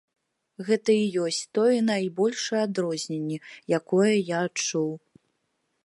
Гэта і ёсць тое найбольшае адрозненне, якое я адчуў.